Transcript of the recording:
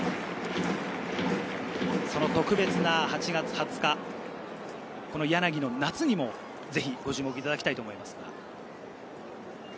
その特別な８月２０日、柳の夏にもご注目いただきたいと思います。